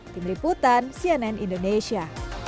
tim liputan cnn indonesia